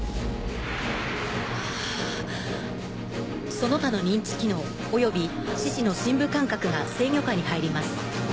その他の認知機能および四肢の深部感覚が制御下に入ります。